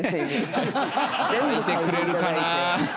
書いてくれるかな？